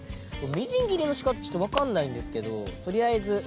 みじん切りの仕方ちょっとわからないんですけどとりあえず。